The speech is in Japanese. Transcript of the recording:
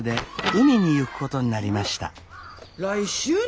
来週ね。